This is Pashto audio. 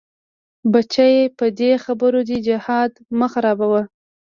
بچيه په دې خبرو دې جهاد مه خرابوه.